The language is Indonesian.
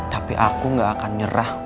tapi aku gak akan nyerah